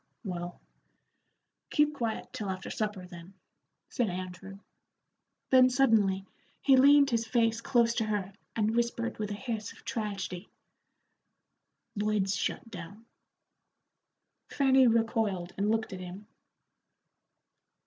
"Well, keep quiet till after supper, then," said Andrew. Then suddenly he leaned his face close to her and whispered with a hiss of tragedy, "Lloyd's shut down." Fanny recoiled and looked at him.